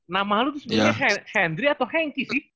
nama lu sebenernya hendry atau henky sih